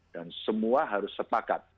dan semua harus sepakat